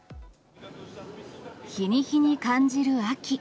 日に日に感じる秋。